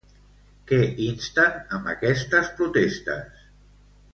Què insten amb aquestes protestes?